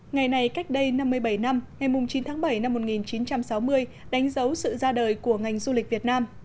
ngày này cách đây năm mươi bảy năm ngày chín tháng bảy năm một nghìn chín trăm sáu mươi đánh dấu sự ra đời của ngành du lịch việt nam